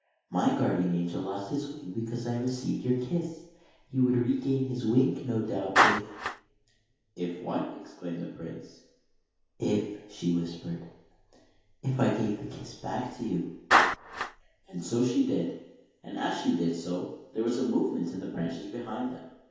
My Guardian Angel lost his wing because I received your kiss. He would regain his wing, no doubt, if "—" If what ?" exclaimed the Prince. " If," she whispered, " if I gave back the kiss to you." And so she did; and, as she did so, there was a move ment in the branches behind them.